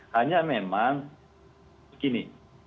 hanya memang begini